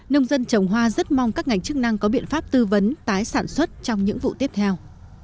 nông dân trồng hoa rất mong các ngành chức năng có biện pháp tư vấn tái sản xuất trong những vụ tiếp theo